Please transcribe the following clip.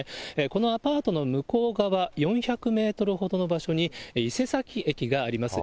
このアパートの向こう側、４００メートルほどの場所に伊勢崎駅があります。